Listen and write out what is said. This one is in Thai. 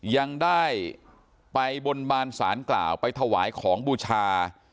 ยังได้ไปบนบานสารกล่าวไปถวายของบูชา